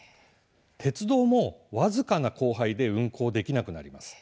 鉄道も僅かな降灰で運行できなくなります。